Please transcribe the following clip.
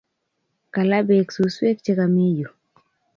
Kalaa peek suswek che kami yu